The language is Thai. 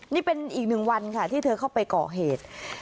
นี่เป็นอีกหนึ่งวันค่ะที่เธอเข้าไปก่อเหตุ